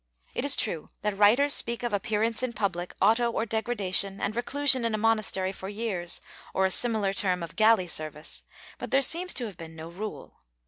It is true that writers speak of appearance in public auto or degradation and reclusion in a monastery for a few years, or a similar term of galley service, but there seems to have been no rule.